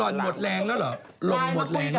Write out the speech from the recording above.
ลอนหมดแรงแล้วเหรอ